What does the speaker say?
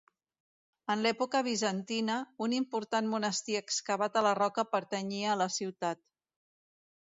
En l'època bizantina, un important monestir excavat a la roca pertanyia a la ciutat.